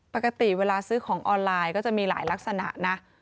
ปกติเวลาซื้อของออนไลน์ก็จะมีหลายลักษณะนะ